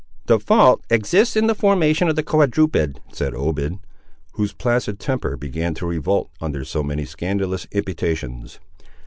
"The fault exists in the formation of the quadruped," said Obed, whose placid temper began to revolt under so many scandalous imputations.